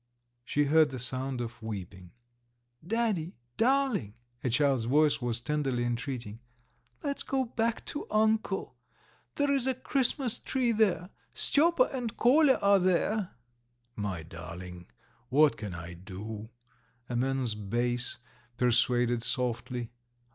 She heard the sound of weeping. "Daddy, darling," a child's voice was tenderly entreating, "let's go back to uncle! There is a Christmas tree there! Styopa and Kolya are there!" "My darling, what can I do?" a man's bass persuaded softly.